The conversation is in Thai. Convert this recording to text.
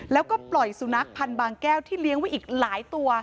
แล้วก็ปล่อยสุนัขพันธ์บางแก้วที่เลี้ยงไว้อีกหลายตัว